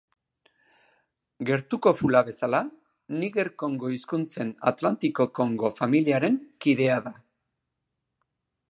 Gertuko fula bezala, Niger-Kongo hizkuntzen Atlantiko-Kongo familiaren kidea da.